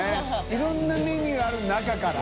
いろんなメニューある中から？